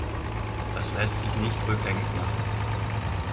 Das lässt sich nicht rückgängig machen.